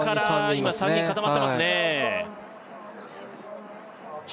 今３人固まってますね